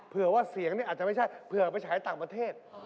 ว่าเสียงนี่อาจจะไม่ใช่เผื่อไปฉายต่างประเทศ